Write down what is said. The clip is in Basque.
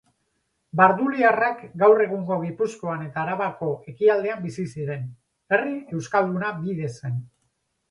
Barduliarrak gaur egungo Gipuzkoan eta Arabako ekialdean bizi ziren. Herri euskalduna bide zen.